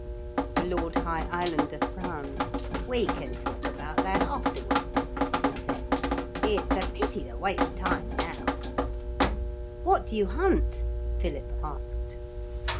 The Lord High Islander frowned. 'We can talk about that afterwards,' he said; 'it's a pity to waste time now.' 'What do you hunt?' Philip asked.